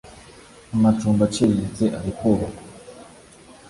amacumbi aciriritse arikubakwa.